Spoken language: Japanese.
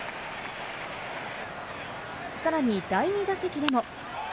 さらに第２打席でも。